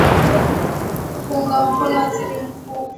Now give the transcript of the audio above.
kuunga mkono waziri mkuu mwangalizi wa serikali ya lebanon saad hariri